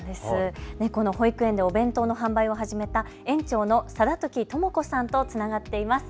この保育園でお弁当の販売を始めた園長の定時知子さんとつながっています。